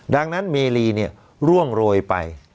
ดังนั้นเมรีเนี่ยร่วงโรยไป